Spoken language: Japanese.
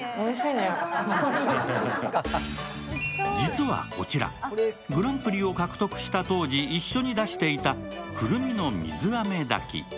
実はこちら、グランプリを獲得した当時、一緒に出していたくるみの水飴炊き。